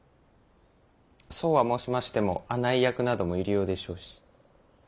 そうは申しましても案内役なども入り用でしょうし。